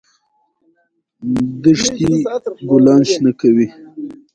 ښتې د افغان ځوانانو د هیلو استازیتوب کوي.